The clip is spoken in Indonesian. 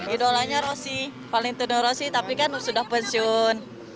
idolanya rosi valentino rosi tapi kan sudah pensiun